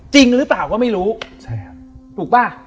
จริงหรือเปล่าก็ไม่รู้ถูกป่ะ